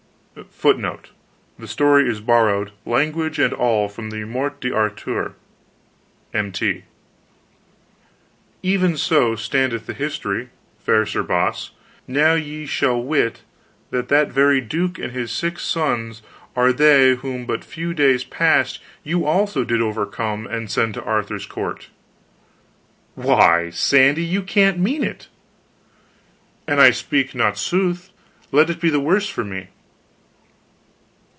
* [*Footnote: The story is borrowed, language and all, from the Morte d'Arthur. M.T.] "Even so standeth the history, fair Sir Boss. Now ye shall wit that that very duke and his six sons are they whom but few days past you also did overcome and send to Arthur's court!" "Why, Sandy, you can't mean it!" "An I speak not sooth, let it be the worse for me."